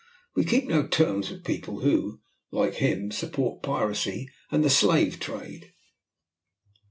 We keep no terms with people who, like him, support piracy and the slave trade."